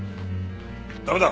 駄目だ。